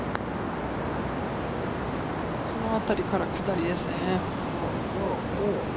このあたりから下りですね。